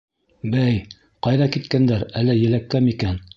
«Бәй, ҡайҙа киткәндәр, әллә еләккә микән?»